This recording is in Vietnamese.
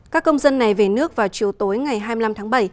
các công dân này về nước vào chiều tối ngày hai mươi năm tháng bảy